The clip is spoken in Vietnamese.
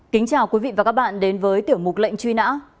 kính chào quý vị và các bạn đến với tiểu mục lệnh truy nã